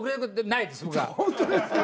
ないです。